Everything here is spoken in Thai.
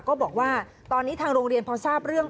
ก็บอกว่าตอนนี้ทางโรงเรียนพอทราบเรื่อง